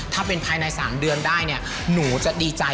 ถ้าเป็นภายใน๓เดือนได้เนี่ยหนูจะดีใจ